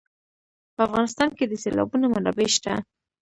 په افغانستان کې د سیلابونه منابع شته.